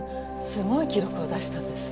すごい記録を出したんです。